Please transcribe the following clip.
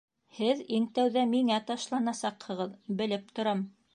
Һеҙ иң тәүҙә миңә ташланасаҡһығыҙ, белеп торам.